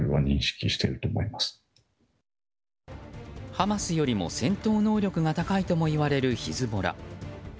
ハマスよりも戦闘能力が高いともいわれるヒズボラ。